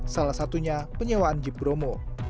salah satunya penyewaan jeep bromo